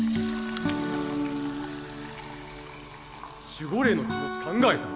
守護霊の気持ち考えた？